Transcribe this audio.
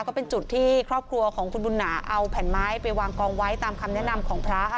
ก็เป็นจุดที่ครอบครัวของคุณบุญหนาเอาแผ่นไม้ไปวางกองไว้ตามคำแนะนำของพระค่ะ